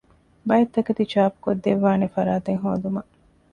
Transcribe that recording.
ބައެއް ތަކެތި ޗާޕުކޮށްދެއްވާނެ ފަރާތެއް ހޯދުމަށް